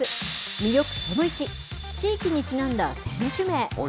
魅力その１、地域にちなんだ選手名。